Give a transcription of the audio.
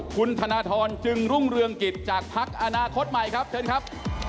คุณธรานทรจึงรุ้งเรื่องกลิ่นจากภักร์อนาคตใหม่นะครับ